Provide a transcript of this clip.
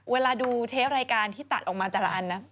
เวลาดูเทปรายการที่ตัดออกมาแต่ละอันนะ